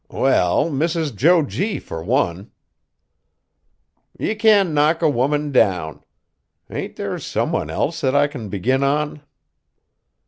"Well, Mrs. Jo G. fur one!" "Ye can't knock a woman down. Ain't there some one else that I kin begin on?"